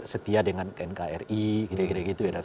setia dengan nkri gitu gitu